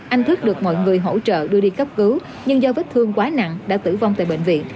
anh thức được mọi người hỗ trợ đưa đi cấp cứu nhưng do vết thương quá nặng đã tử vong tại bệnh viện